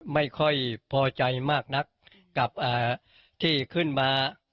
ไม่ค่อยพอใจมากนักกับที่ขึ้นมา